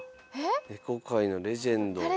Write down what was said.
猫界のレジェンド。